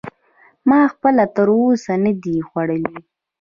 ما خپله تر اوسه نه دی خوړلی.